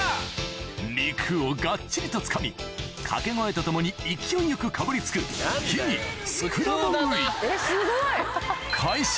肉をがっちりとつかみ掛け声とともに勢いよくかぶりつくえっすごい！